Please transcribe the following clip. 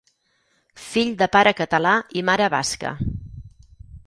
Fill de pare català i mare basca.